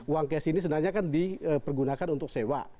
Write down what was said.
uang cash ini sebenarnya kan dipergunakan untuk sewa